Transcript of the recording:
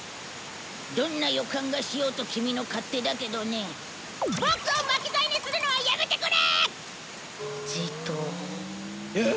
どんな予感がしようとキミの勝手だけどねボクを巻き添えにするのはやめてくれ！ジトーッ。